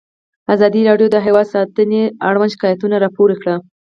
ازادي راډیو د حیوان ساتنه اړوند شکایتونه راپور کړي.